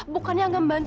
bukannya gak membantu dia